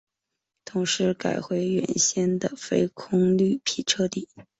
同时改回原先的非空绿皮车底。